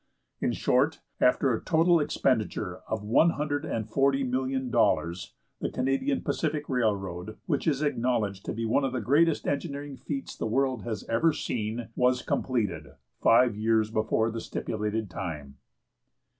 In short, after a total expenditure of one hundred and forty million dollars, the Canadian Pacific Railroad, which is acknowledged to be one of the greatest engineering feats the world has ever seen, was completed, five years before the stipulated time.